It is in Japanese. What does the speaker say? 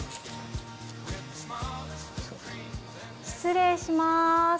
失礼します。